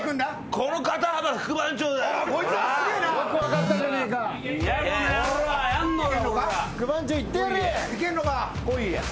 こいや。